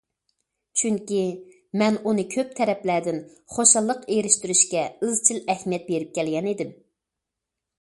چۈنكى، مەن ئۇنى كۆپ تەرەپلەردىن خۇشاللىق ئېرىشتۈرۈشكە ئىزچىل ئەھمىيەت بېرىپ كەلگەن ئىدىم.